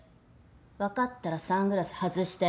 わかったらサングラス外して。